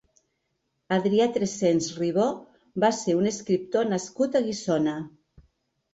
Adrià Trescents Ribó va ser un escriptor nascut a Guissona.